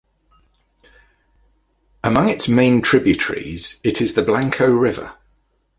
Among its main tributaries, it is the Blanco river.